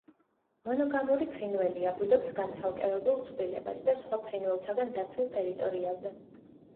მონოგამური ფრინველია, ბუდობს განცალკევებულ წყვილებად სხვა ფრინველთაგან დაცულ ტერიტორიაზე.